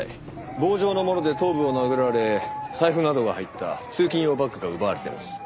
棒状のもので頭部を殴られ財布などが入った通勤用バッグが奪われてます。